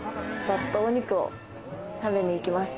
お肉を食べに行きます。